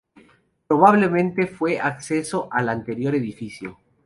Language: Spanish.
Probablemente fue acceso al anterior edificio.